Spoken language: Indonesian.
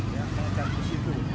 mereka mengejar ke situ